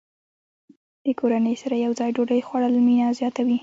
د کورنۍ سره یوځای ډوډۍ خوړل مینه زیاته وي.